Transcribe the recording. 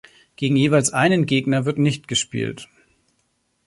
Gegen jeweils einen Gegner wird nicht gespielt.